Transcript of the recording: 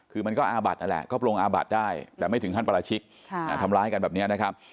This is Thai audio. คือมันก็อาบัดนั่นแหละก็ปรงอาบัดได้แต่ไม่ถึงขั้นปราชิกทำร้ายกันแบบนี้นะครับ